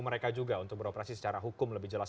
mereka juga untuk beroperasi secara hukum lebih jelas